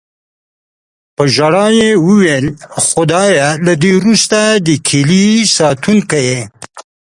په ژړا یې وویل: "خدایه، له دې وروسته د کیلي ساتونکی یې".